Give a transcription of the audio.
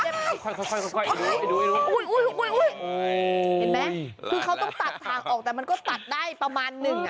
เห็นไหมคือเขาต้องตัดทางออกแต่มันก็ตัดได้ประมาณนึง